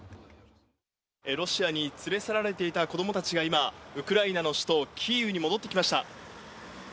ロシアに連れ去られていた子どもたちが今、ウクライナの首都キーウに戻ってきました。